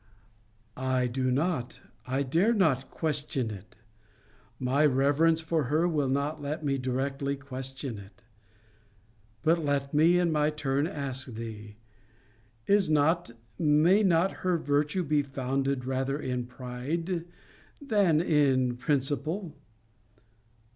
I do not, I dare not question it. My reverence for her will not let me directly question it. But let me, in my turn, ask thee Is not, may not her virtue be founded rather in pride than in principle?